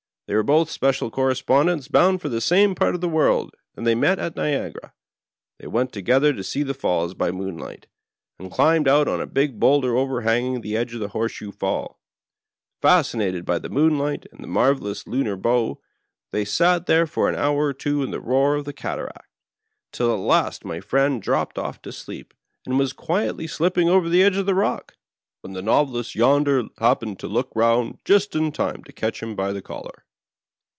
Th^j were both special correepondents bomid for the same part of the world, and thej met at Niagara. They went together to see the Falls by moon light, and climbed ont on to a big bowlder overhanging the edge of the Horseshoe FalL Fascinate^ by the moonlight and the marvelons lunar bow, they sat there for an hour or two in the roar of the cataract, till at last my friend dropped o£E to sleep, and was quietly slipping over the edge of the rock, when the Novelist yonder happened to look round just in time to catch him by the collar.